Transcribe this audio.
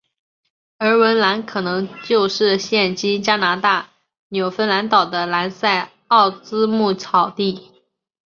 而文兰可能就是现今加拿大纽芬兰岛的兰塞奥兹牧草地。